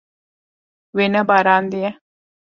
Wê nebarandiye.